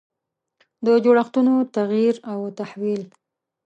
د جوړښتونو تغییر او تحول.